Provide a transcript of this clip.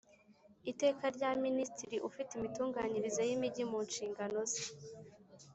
Iteka rya Minisitiri ufite imitunganyirize y’imijyi mu nshingano ze